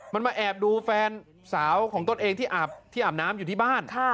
มันมาแอบดูแฟนสาวของตนเองที่อาบที่อาบน้ำอยู่ที่บ้าน